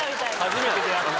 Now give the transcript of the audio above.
初めて出会った。